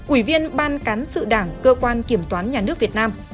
ủy viên ban cán sự đảng cơ quan kiểm toán nhà nước việt nam